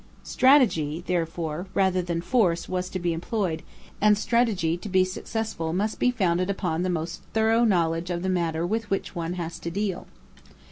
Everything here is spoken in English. Strategy, therefore, rather than force was to be employed, and strategy to be successful must be founded upon the most thorough knowledge of the matter with which one has to deal.